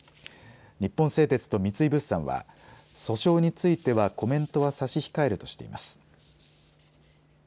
日本製鉄と三井物産は訴訟についてはコメントは差し控えるとしています。